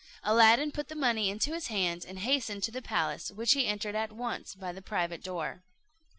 Aladdin put the money into his hand, and hastened to the palace, which he entered at once by the private door.